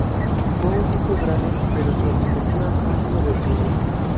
Fue un sitio grande, pero su arquitectura ha sido destruida.